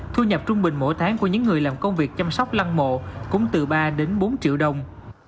thu nhập trung bình mỗi tháng của những người làm công việc chăm sóc lăng mộ cũng từ ba đến bốn triệu đồng